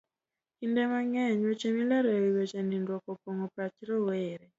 Kinde mang'eny, weche milero e wi weche nindruok opong'o pach rowere.